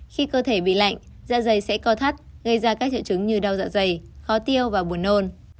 khi cơ thể bị lạnh da dày sẽ co thắt gây ra các triệu chứng như đau dạ dày khó tiêu và buồn nôn